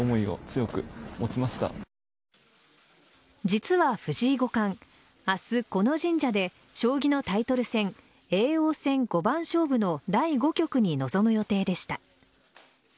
実は、藤井五冠明日、この神社で将棋のタイトル戦叡王戦五番勝負の第５局に臨む予定でした。